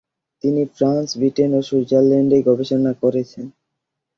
তিনি France, Britain ও সুইজারল্যান্ডে গবেষণা করেছেন।